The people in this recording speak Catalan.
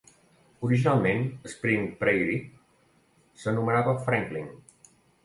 Originalment, Spring Prairie s'anomenava Franklin.